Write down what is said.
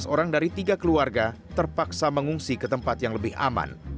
tiga belas orang dari tiga keluarga terpaksa mengungsi ke tempat yang lebih aman